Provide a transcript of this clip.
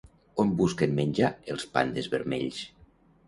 On busquen menjar els pandes vermells?